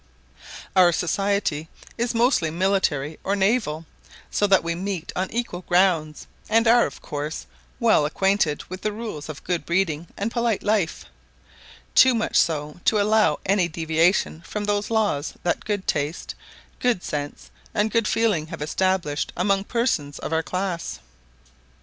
Our society is mostly military or naval; so that we meet on equal grounds, and are, of course, well acquainted with the rules of good breeding and polite life; too much so to allow any deviation from those laws that good taste, good sense, and good feeling have established among persons of our class.